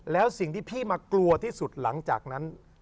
แล้วสิ่งที่พี่มากลัวที่สุดหลังจากนั้น